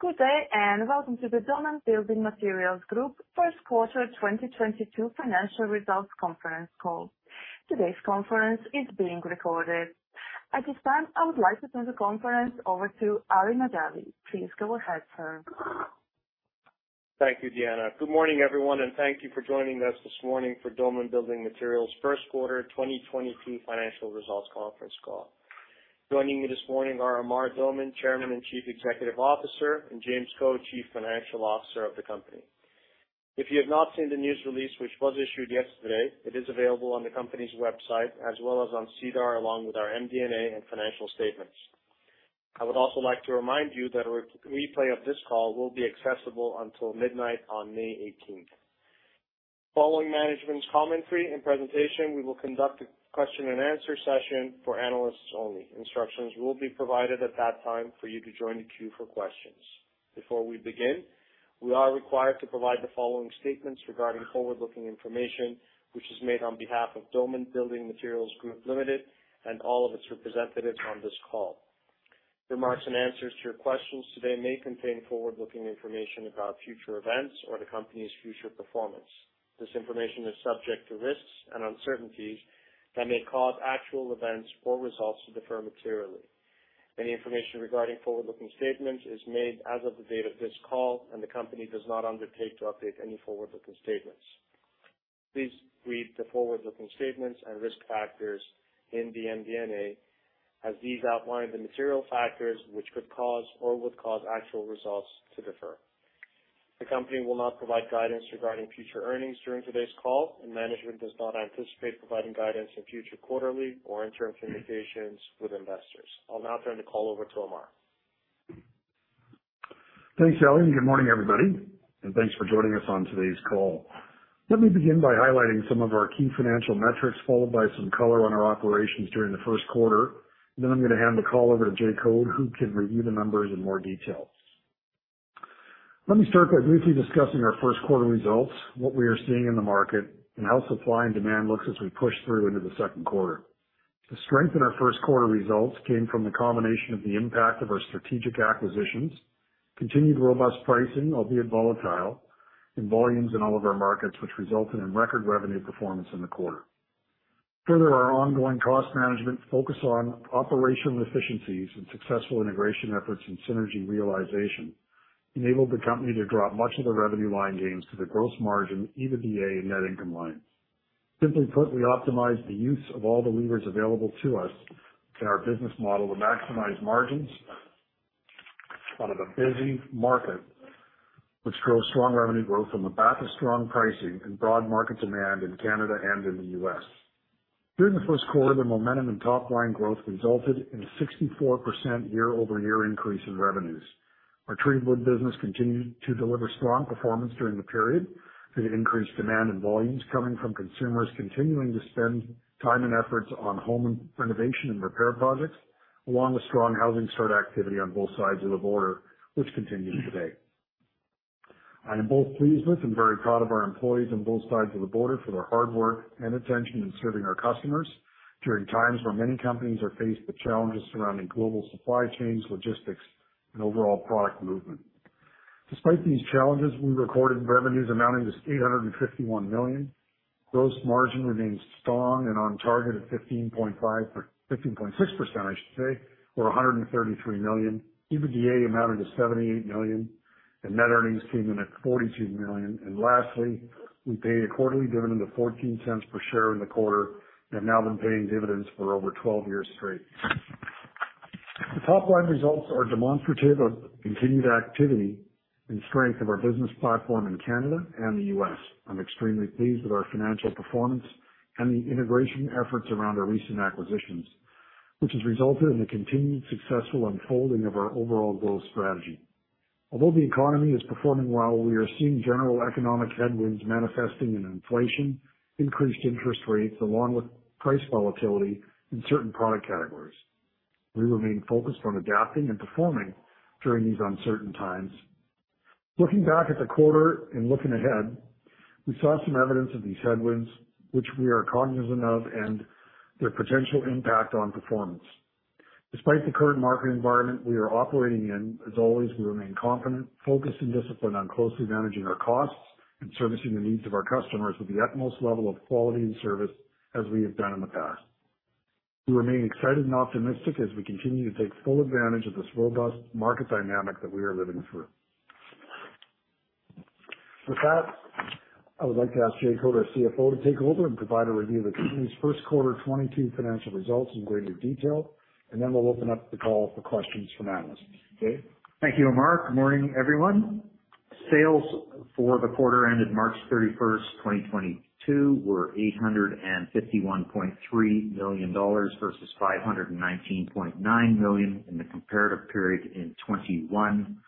Good day and welcome to the Doman Building Materials Group first quarter 2022 financial results conference call. Today's conference is being recorded. At this time, I would like to turn the conference over to Ali Mahdavi. Please go ahead, sir. Thank you, Diana. Good morning, everyone, and thank you for joining us this morning for Doman Building Materials first quarter 2022 financial results conference call. Joining me this morning are Amar Doman, Chairman and Chief Executive Officer, and James Code, Chief Financial Officer of the company. If you have not seen the news release, which was issued yesterday, it is available on the company's website as well as on SEDAR, along with our MD&A and financial statements. I would also like to remind you that a replay of this call will be accessible until midnight on May eighteenth. Following management's commentary and presentation, we will conduct a question and answer session for analysts only. Instructions will be provided at that time for you to join the queue for questions. Before we begin, we are required to provide the following statements regarding forward-looking information which is made on behalf of Doman Building Materials Group Ltd. and all of its representatives on this call. Remarks and answers to your questions today may contain forward-looking information about future events or the company's future performance. This information is subject to risks and uncertainties that may cause actual events or results to differ materially. Any information regarding forward-looking statements is made as of the date of this call, and the company does not undertake to update any forward-looking statements. Please read the forward-looking statements and risk factors in the MD&A as these outline the material factors which could cause or would cause actual results to differ. The company will not provide guidance regarding future earnings during today's call, and management does not anticipate providing guidance in future quarterly or interim communications with investors. I'll now turn the call over to Amar. Thanks, Ali, and good morning, everybody, and thanks for joining us on today's call. Let me begin by highlighting some of our key financial metrics, followed by some color on our operations during the first quarter. Then I'm going to hand the call over to James Code, who can review the numbers in more detail. Let me start by briefly discussing our first quarter results, what we are seeing in the market, and how supply and demand looks as we push through into the second quarter. The strength in our first quarter results came from the combination of the impact of our strategic acquisitions, continued robust pricing, albeit volatile, in volumes in all of our markets, which resulted in record revenue performance in the quarter. Further, our ongoing cost management focus on operational efficiencies and successful integration efforts and synergy realization enabled the company to drop much of the revenue line gains to the gross margin, EBITDA, and net income line. Simply put, we optimize the use of all the levers available to us in our business model to maximize margins out of a busy market which grows strong revenue growth on the back of strong pricing and broad market demand in Canada and in the U.S. During the first quarter, momentum and top line growth resulted in a 64% year-over-year increase in revenues. Our OSB business continued to deliver strong performance during the period due to increased demand and volumes coming from consumers continuing to spend time and efforts on home renovation and repair projects, along with strong housing start activity on both sides of the border, which continues today. I am both pleased with and very proud of our employees on both sides of the border for their hard work and attention in serving our customers during times where many companies are faced with challenges surrounding global supply chains, logistics, and overall product movement. Despite these challenges, we recorded revenues amounting to 851 million. Gross margin remains strong and on target at 15.6%, I should say, or 133 million. EBITDA amounted to 78 million and net earnings came in at 42 million. Lastly, we paid a quarterly dividend of 0.14 per share in the quarter and have now been paying dividends for over 12 years straight. The top line results are demonstrative of continued activity and strength of our business platform in Canada and the U.S. I'm extremely pleased with our financial performance and the integration efforts around our recent acquisitions, which has resulted in the continued successful unfolding of our overall growth strategy. Although the economy is performing well, we are seeing general economic headwinds manifesting in inflation, increased interest rates, along with price volatility in certain product categories. We remain focused on adapting and performing during these uncertain times. Looking back at the quarter and looking ahead, we saw some evidence of these headwinds which we are cognizant of and their potential impact on performance. Despite the current market environment we are operating in, as always, we remain confident, focused, and disciplined on closely managing our costs and servicing the needs of our customers with the utmost level of quality and service as we have done in the past. We remain excited and optimistic as we continue to take full advantage of this robust market dynamic that we are living through. With that, I would like to ask Jay Code, our CFO, to take over and provide a review of the company's first quarter 2022 financial results in greater detail, and then we'll open up the call for questions from analysts. Jay? Thank you, Amar. Good morning, everyone. Sales for the quarter ended March 31, 2022 were 851.3 million dollars versus 519.9 million in the comparative period in 2021,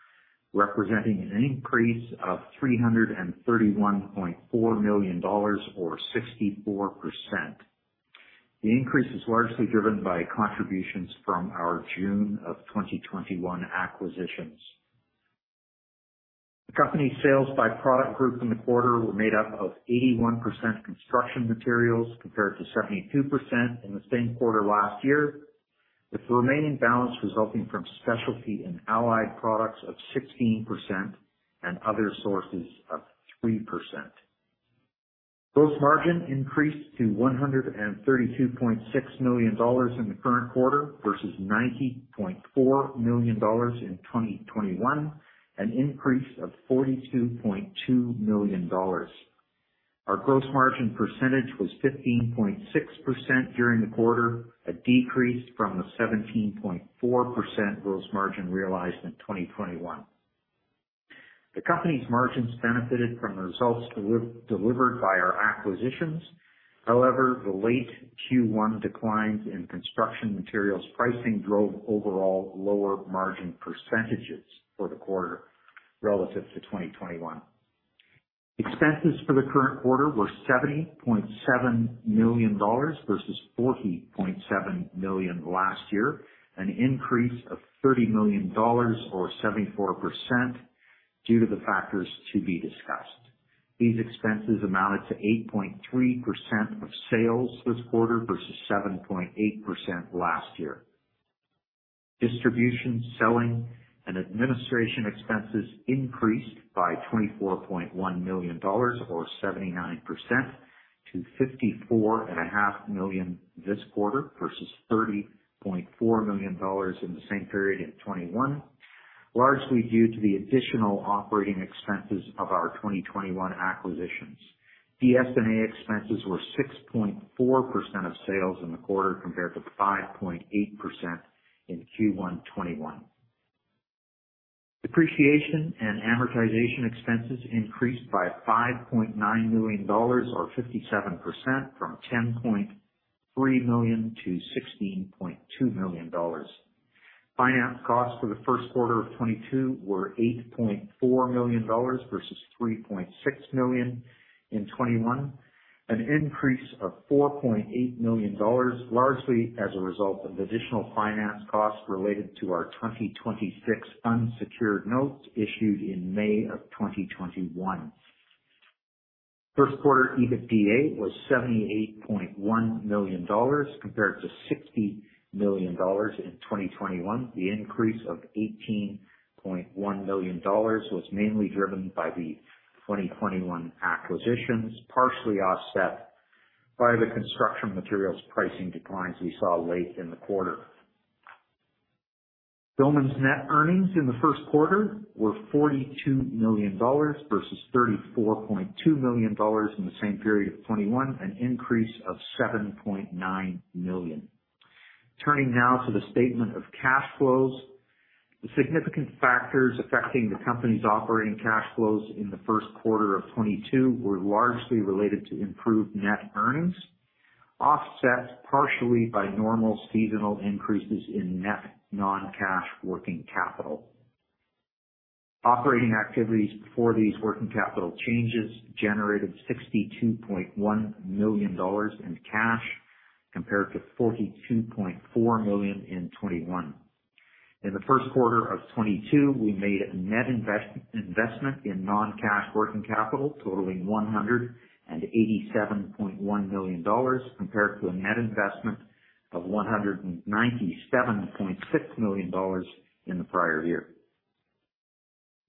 representing an increase of 331.4 million dollars or 64%. The increase is largely driven by contributions from our June of 2021 acquisitions. The company's sales by product group in the quarter were made up of 81% construction materials, compared to 72% in the same quarter last year, with the remaining balance resulting from specialty and allied products of 16% and other sources of 3%. Gross margin increased to 132.6 million dollars in the current quarter versus 90.4 million dollars in 2021, an increase of 42.2 million dollars. Our gross margin percentage was 15.6% during the quarter, a decrease from the 17.4% gross margin realized in 2021. The company's margins benefited from the results delivered by our acquisitions. However, the late Q1 declines in construction materials pricing drove overall lower margin percentages for the quarter relative to 2021. Expenses for the current quarter were 70.7 million dollars versus 40.7 million last year, an increase of 30 million dollars or 74% due to the factors to be discussed. These expenses amounted to 8.3% of sales this quarter versus 7.8% last year. Distribution, selling, and administration expenses increased by 24.1 million dollars or 79% to 54.5 million this quarter versus 30.4 million dollars in the same period in 2021, largely due to the additional operating expenses of our 2021 acquisitions. DS&A expenses were 6.4% of sales in the quarter compared to 5.8% in Q1 2021. Depreciation and amortization expenses increased by 5.9 million dollars or 57% from 10.3 million to 16.2 million dollars. Finance costs for the first quarter of 2022 were 8.4 million dollars versus 3.6 million in 2021, an increase of 4.8 million dollars, largely as a result of additional finance costs related to our 2026 unsecured notes issued in May of 2021. First quarter EBITDA was 78.1 million dollars compared to 60 million dollars in 2021. The increase of 18.1 million dollars was mainly driven by the 2021 acquisitions, partially offset by the construction materials pricing declines we saw late in the quarter. Doman's net earnings in the first quarter were 42 million dollars versus 34.2 million dollars in the same period of 2021, an increase of 7.9 million. Turning now to the statement of cash flows. The significant factors affecting the company's operating cash flows in the first quarter of 2022 were largely related to improved net earnings, offset partially by normal seasonal increases in net non-cash working capital. Operating activities before these working capital changes generated 62.1 million dollars in cash, compared to 42.4 million in 2021. In the first quarter of 2022, we made a net investment in non-cash working capital totaling 187.1 million dollars, compared to a net investment of 197.6 million dollars in the prior year.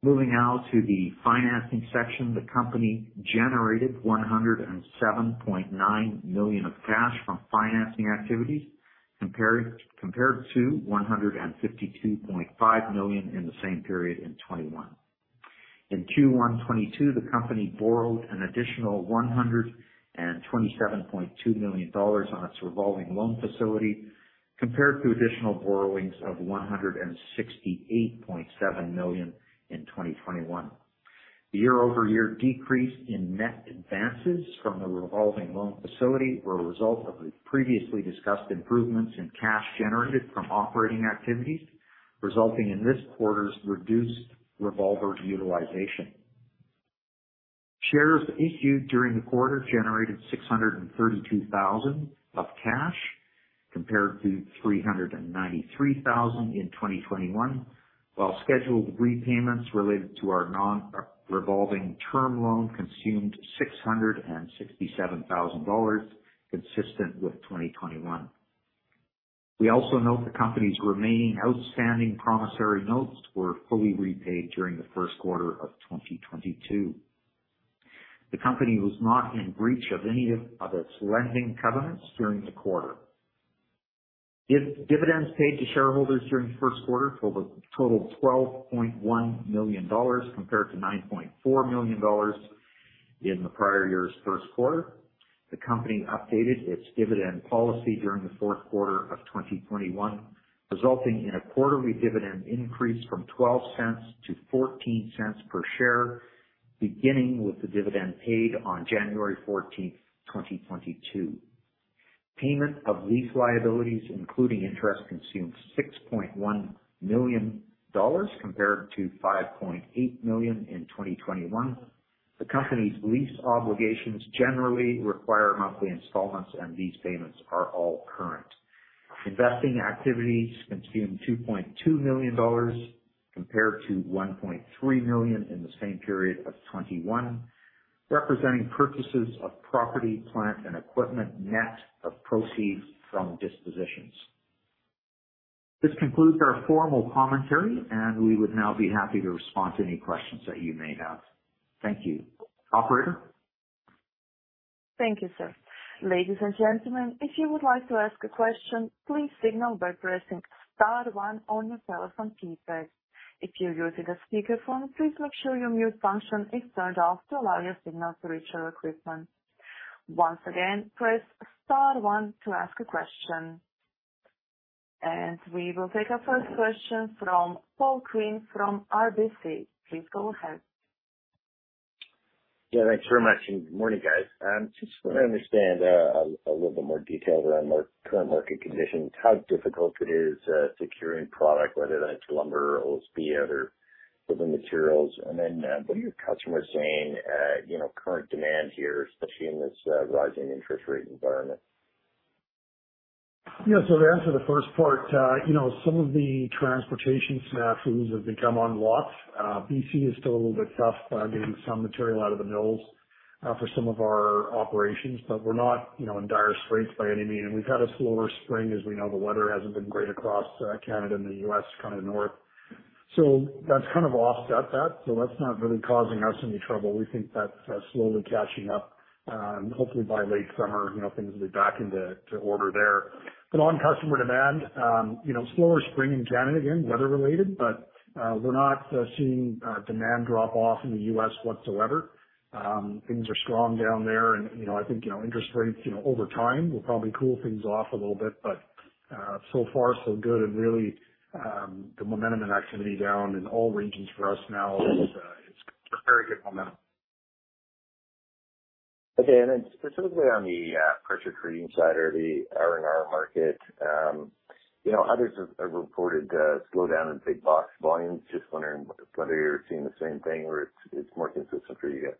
Moving now to the financing section. The company generated 107.9 million of cash from financing activities compared to 152.5 million in the same period in 2021. In Q1 2022, the company borrowed an additional 127.2 million dollars on its revolving loan facility, compared to additional borrowings of 168.7 million in 2021. The year-over-year decrease in net advances from the revolving loan facility were a result of the previously discussed improvements in cash generated from operating activities, resulting in this quarter's reduced revolver utilization. Shares issued during the quarter generated 632 thousand of cash, compared to 393 thousand in 2021. While scheduled repayments related to our non-revolving term loan consumed 667 thousand dollars consistent with 2021. We also note the company's remaining outstanding promissory notes were fully repaid during the first quarter of 2022. The company was not in breach of any of its lending covenants during the quarter. Dividends paid to shareholders during the first quarter totaled 12.1 million dollars compared to 9.4 million dollars in the prior year's first quarter. The company updated its dividend policy during the fourth quarter of 2021, resulting in a quarterly dividend increase from 0.12 to 0.14 per share, beginning with the dividend paid on January 14, 2022. Payment of lease liabilities, including interest, consumed 6.1 million dollars compared to 5.8 million in 2021. The company's lease obligations generally require monthly installments, and these payments are all current. Investing activities consumed 2.2 million dollars compared to 1.3 million in the same period of 2021, representing purchases of property, plant, and equipment net of proceeds from dispositions. This concludes our formal commentary, and we would now be happy to respond to any questions that you may have. Thank you. Operator? Thank you, sir. Ladies and gentlemen, if you would like to ask a question, please signal by pressing star one on your telephone keypad. If you're using a speakerphone, please make sure your mute function is turned off to allow your signal to reach our equipment. Once again, press star one to ask a question. We will take our first question from Paul Quinn from RBC. Please go ahead. Yeah, thanks very much. Good morning, guys. Just want to understand a little bit more detail around the current market conditions, how difficult it is securing product, whether that's lumber, OSB, other building materials. Then, what are your customers saying, you know, current demand here, especially in this rising interest rate environment? Yeah. To answer the first part, you know, some of the transportation snafus have become unlocked. BC is still a little bit tough getting some material out of the mills for some of our operations, but we're not, you know, in dire straits by any means. We've had a slower spring. As we know, the weather hasn't been great across Canada and the U.S, kind of north. That's kind of offset that. That's not really causing us any trouble. We think that's slowly catching up, hopefully by late summer, you know, things will be back into order there. On customer demand, you know, slower spring in Canada, again, weather related, but we're not seeing demand drop off in the U.S whatsoever. Things are strong down there and, you know, I think, you know, interest rates, you know, over time will probably cool things off a little bit, but so far so good. Really, the momentum and activity down in all regions for us now is a very good momentum. Okay. Specifically on the pressure treating side or the R&R market, you know, others have reported a slowdown in big box volumes. Just wondering whether you're seeing the same thing or it's more consistent for you guys.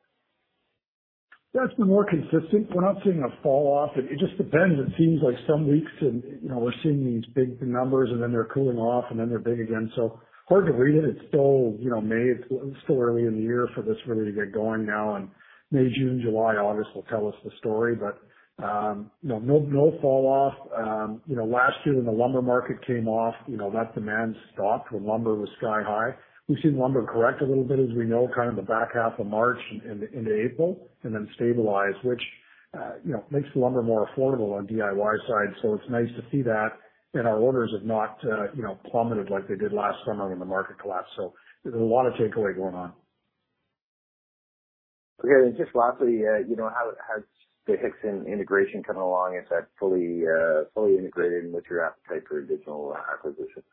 Yeah, it's been more consistent. We're not seeing a fall off. It just depends. It seems like some weeks and, you know, we're seeing these big numbers, and then they're cooling off, and then they're big again. So hard to read it. It's still, you know, May. It's still early in the year for this really to get going now, and May, June, July, August will tell us the story, but you know, no fall off. You know, last year when the lumber market came off, you know, that demand stopped when lumber was sky high. We've seen lumber correct a little bit, as we know, kind of the back half of March into April and then stabilize, which you know, makes lumber more affordable on DIY side. So it's nice to see that. Our orders have not, you know, plummeted like they did last summer when the market collapsed. There's a lot of takeaway going on. Okay. Just lastly, you know, how's the Hixson integration coming along? Is that fully integrated and what's your appetite for additional acquisitions?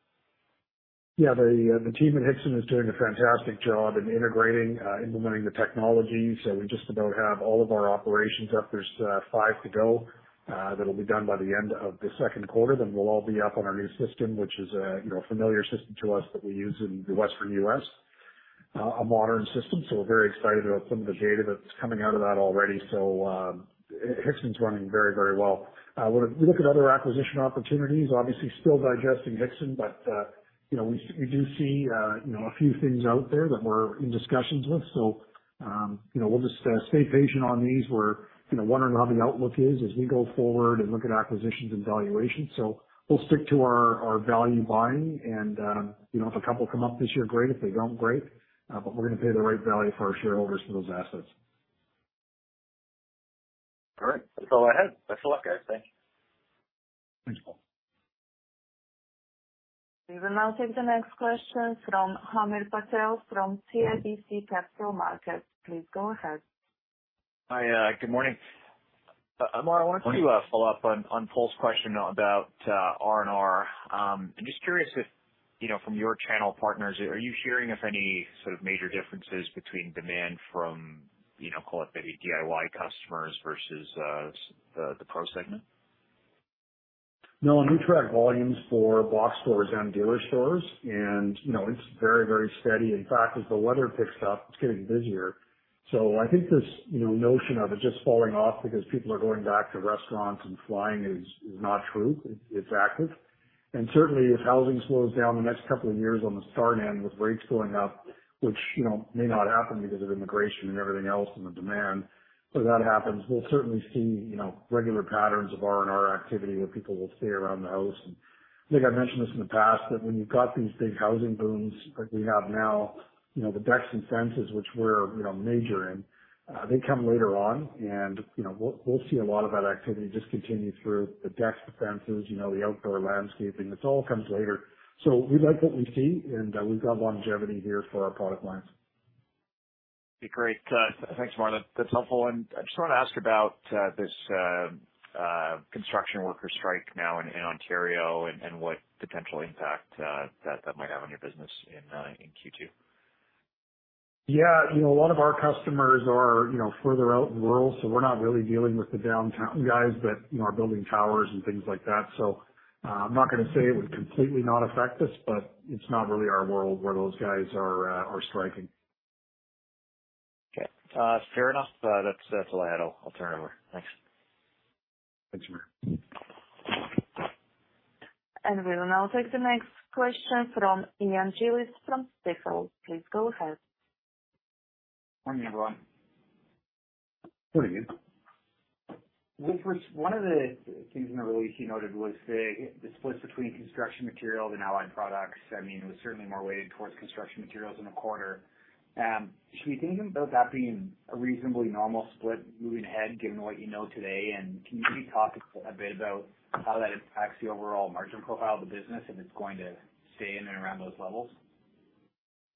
Yeah. The team at Hixson is doing a fantastic job in integrating, implementing the technology. We just about have all of our operations up. There's five to go, that'll be done by the end of the second quarter. Then we'll all be up on our new system, which is a, you know, familiar system to us that we use in the Western US, a modern system. We're very excited about some of the data that's coming out of that already. Hixson's running very, very well. When we look at other acquisition opportunities, obviously still digesting Hixson, but, you know, we do see, you know, a few things out there that we're in discussions with. We'll just stay patient on these. We're, you know, wondering how the outlook is as we go forward and look at acquisitions and valuations. We'll stick to our value buying and, you know, if a couple come up this year, great. If they don't, great. We're going to pay the right value for our shareholders for those assets. All right. That's all I had. Best of luck, guys. Thank you. Thanks, Paul. We will now take the next question from Hamir Patel from CIBC Capital Markets. Please go ahead. Hi. Good morning. Mark, I wanted to follow up on Paul's question about R&R. I'm just curious if, you know, from your channel partners, are you hearing of any sort of major differences between demand from, you know, call it maybe DIY customers versus the pro segment? No, and we track volumes for box stores and dealer stores and, you know, it's very, very steady. In fact, as the weather picks up, it's getting busier. I think this, you know, notion of it just falling off because people are going back to restaurants and flying is not true. It's active. Certainly if housing slows down the next couple of years on the start end with rates going up, which, you know, may not happen because of immigration and everything else and the demand, but if that happens, we'll certainly see, you know, regular patterns of R&R activity where people will stay around the house. I think I've mentioned this in the past, that when you've got these big housing booms like we have now, you know, the decks and fences, which we're, you know, major in, they come later on and, you know, we'll see a lot of that activity just continue through the decks, the fences, you know, the outdoor landscaping. This all comes later. We like what we see and, we've got longevity here for our product lines. Okay, great. Thanks, Mark. That's helpful. I just want to ask about this construction worker strike now in Ontario and what potential impact that might have on your business in Q2. Yeah. You know, a lot of our customers are, you know, further out in rural, so we're not really dealing with the downtown guys that, you know, are building towers and things like that. I'm not going to say it would completely not affect us, but it's not really our world where those guys are striking. Fair enough. That's all I had. I'll turn it over. Thanks. Thanks, Jim. We will now take the next question from Ian Gillies from Stifel. Please go ahead. Morning, everyone. Morning, Ian. One of the things in the release you noted was the splits between construction materials and allied products. I mean, it was certainly more weighted towards construction materials in the quarter. Should we think about that being a reasonably normal split moving ahead, given what you know today, and can you maybe talk a bit about how that impacts the overall margin profile of the business, and it's going to stay in and around those levels?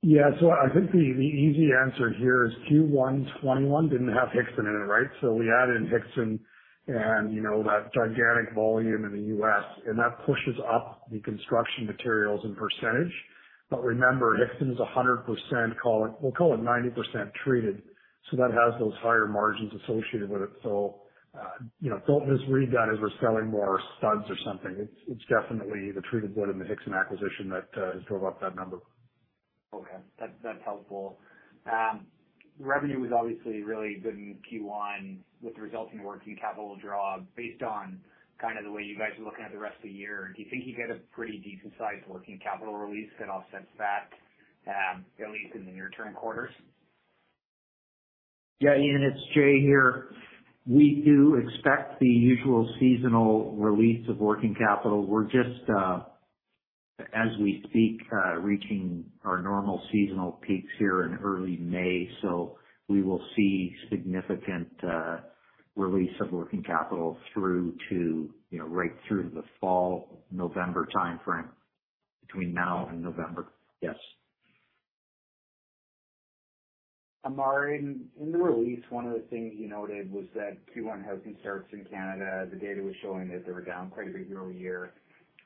Yeah. I think the easy answer here is Q1 2021 didn't have Hixson in it, right? We added Hixson and, you know, that gigantic volume in the U.S., and that pushes up the construction materials in percentage. Remember, Hixson is 100% call it. We'll call it 90% treated, so that has those higher margins associated with it. You know, don't misread that as we're selling more studs or something. It's definitely the treated wood and the Hixson acquisition that has drove up that number. Okay. That's helpful. Revenue was obviously really good in Q1 with the resulting working capital draw. Based on kind of the way you guys are looking at the rest of the year, do you think you get a pretty decent sized working capital release that offsets that, at least in the near term quarters? Yeah, Ian, it's Jay here. We do expect the usual seasonal release of working capital. We're just as we speak reaching our normal seasonal peaks here in early May, so we will see significant release of working capital through to, you know, right through the fall, November timeframe. Between now and November. Yes. Amar, in the release, one of the things you noted was that Q1 housing starts in Canada, the data was showing that they were down quite a bit year-over-year.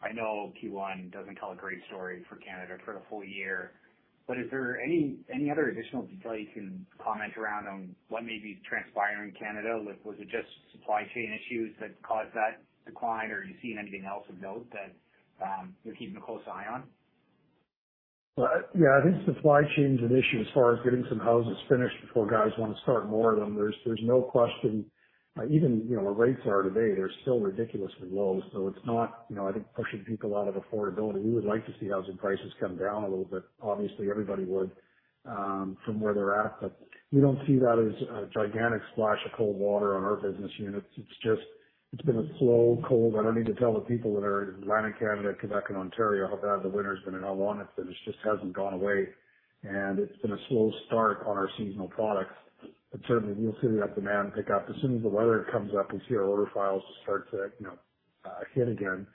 I know Q1 doesn't tell a great story for Canada for the full year, but is there any other additional detail you can comment around on what may be transpiring in Canada? Was it just supply chain issues that caused that decline, or are you seeing anything else of note that you're keeping a close eye on? Yeah. I think supply chain's an issue as far as getting some houses finished before guys want to start more of them. There's no question. Even, you know, where rates are today, they're still ridiculously low, so it's not, you know, I think pushing people out of affordability. We would like to see housing prices come down a little bit, obviously everybody would, from where they're at, but we don't see that as a gigantic splash of cold water on our business units. It's just it's been a slow cold. I don't need to tell the people that are in Atlantic Canada, Quebec, and Ontario how bad the winter's been and how long it's been. It just hasn't gone away, and it's been a slow start on our seasonal products. Certainly we'll see that demand pick up as soon as the weather warms up and see our order files start to, you know, heat again.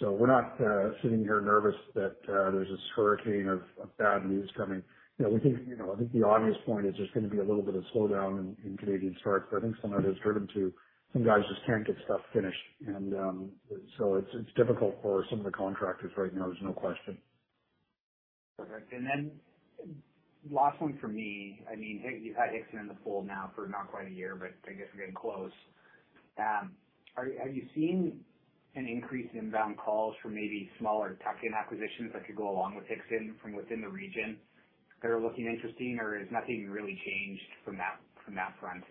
We're not sitting here nervous that there's this hurricane of bad news coming. You know, we think, you know, I think the obvious point is there's going to be a little bit of slowdown in Canadian starts, but I think some of it is due to some guys just can't get stuff finished and so it's difficult for some of the contractors right now. There's no question. Perfect. Last one from me. I mean, hey, you've had Hixson in the fold now for not quite a year, but I guess we're getting close. Have you seen an increase in inbound calls from maybe smaller tuck-in acquisitions that could go along with Hixson from within the region that are looking interesting, or has nothing really changed from that front?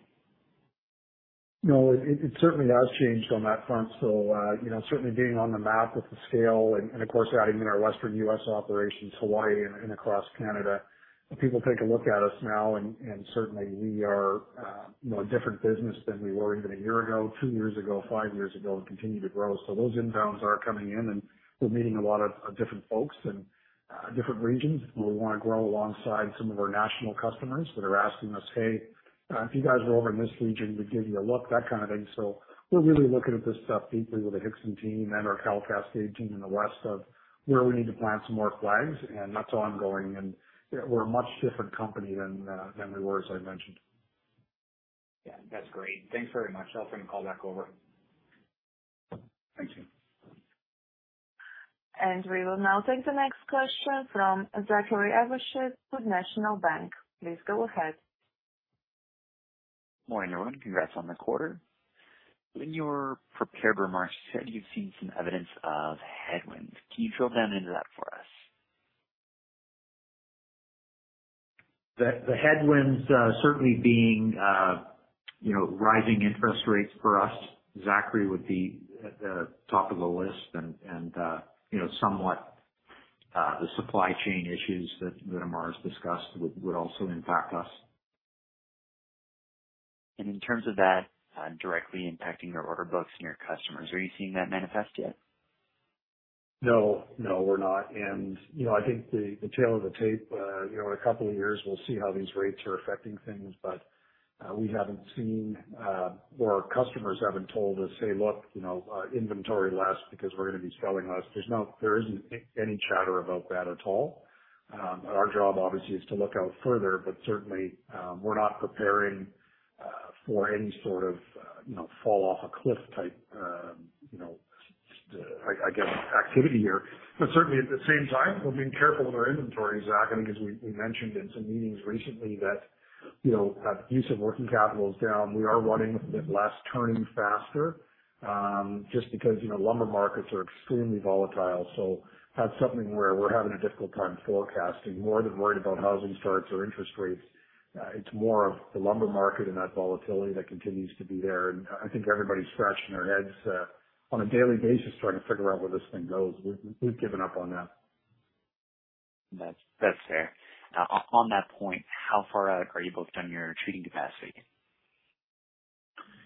No, it certainly has changed on that front. You know, certainly being on the map with the scale and, of course, adding in our Western U.S. operations, Hawaii and across Canada. People take a look at us now and certainly we are, you know, a different business than we were even a year ago, two years ago, five years ago, and continue to grow. Those inbounds are coming in and we're meeting a lot of different folks in different regions who want to grow alongside some of our national customers that are asking us, "Hey, if you guys were over in this region, we'd give you a look," that kind of thing. We're really looking at this stuff deeply with the Hixson team and our CanWel team in the west of where we need to plant some more flags, and that's ongoing, and we're a much different company than than we were, as I mentioned. Yeah. That's great. Thanks very much. I'll turn the call back over. Thank you. We will now take the next question from Zachary Evershed with National Bank Financial. Please go ahead. Morning, everyone. Congrats on the quarter. In your prepared remarks, you said you've seen some evidence of headwinds. Can you drill down into that for us? The headwinds, certainly being, you know, rising interest rates for us, Zachary, would be at the top of the list, and, you know, somewhat, the supply chain issues that Amar's discussed would also impact us. In terms of that, directly impacting your order books and your customers, are you seeing that manifest yet? No. No, we're not. You know, I think the tale of the tape, you know, in a couple of years we'll see how these rates are affecting things, but we haven't seen, or our customers haven't told us, "Hey, look, inventory less because we're going to be selling less." There's no—there isn't any chatter about that at all. Our job obviously is to look out further, but certainly, we're not preparing for any sort of, you know, fall off a cliff type, you know, I guess activity here. Certainly at the same time, we're being careful with our inventory, Zach. I mean, as we mentioned in some meetings recently that, you know, use of working capital is down. We are running a bit less, turning faster, just because, you know, lumber markets are extremely volatile, so that's something where we're having a difficult time forecasting more than worried about housing starts or interest rates. It's more of the lumber market and that volatility that continues to be there. I think everybody's scratching their heads on a daily basis trying to figure out where this thing goes. We've given up on that. That's fair. Now on that point, how far out are you both on your treating capacity?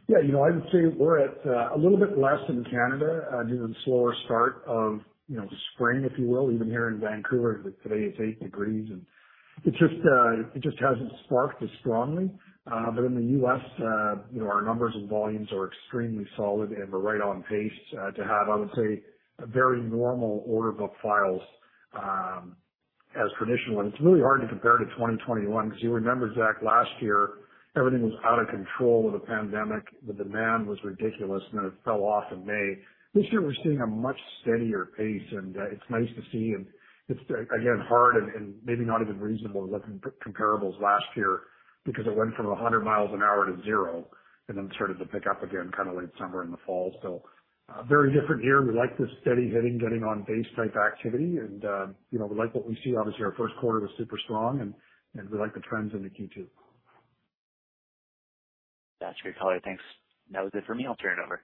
Yeah, you know, I would say we're at a little bit less in Canada due to the slower start of, you know, spring, if you will. Even here in Vancouver, today is eight degrees and it just hasn't sparked as strongly. But in the U.S., you know, our numbers and volumes are extremely solid, and we're right on pace to have, I would say, a very normal order book files as traditional. It's really hard to compare to 2021 because you remember, Zach, last year everything was out of control with the pandemic. The demand was ridiculous and then it fell off in May. This year we're seeing a much steadier pace and it's nice to see. It's, again, hard and maybe not even reasonable looking at peer comparables last year because it went from 100 miles an hour to zero and then started to pick up again kind of late summer in the fall. Very different year. We like this steady hitting, getting on base type activity. You know, we like what we see. Obviously, our first quarter was super strong and we like the trends into Q2. That's great, color. Thanks. That was it for me. I'll turn it over.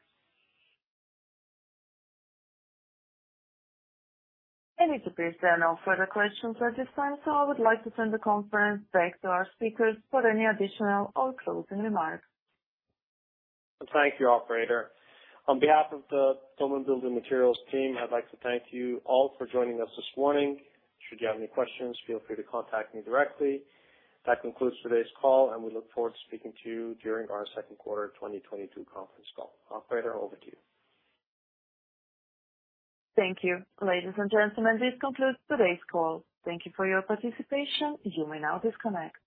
It appears there are no further questions at this time, so I would like to turn the conference back to our speakers for any additional or closing remarks. Thank you, operator. On behalf of the Doman Building Materials, I'd like to thank you all for joining us this morning. Should you have any questions, feel free to contact me directly. That concludes today's call, and we look forward to speaking to you during our second quarter 2022 conference call. Operator, over to you. Thank you. Ladies and gentlemen, this concludes today's call. Thank you for your participation. You may now disconnect.